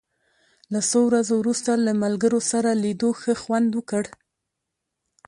له څو ورځو وروسته له ملګرو سره لیدو ښه خوند وکړ.